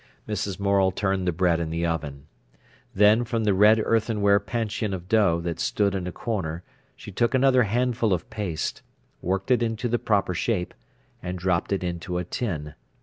Mrs. Morel turned the bread in the oven. Then from the red earthenware panchion of dough that stood in a corner she took another handful of paste, worked it to the proper shape, and dropped it into a tin.